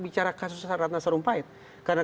bicara kasus ratna sarumpait karena